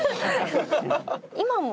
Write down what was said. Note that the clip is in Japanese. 今も。